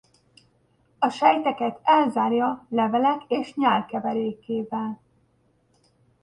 A sejteket elzárja levelek és nyál keverékével.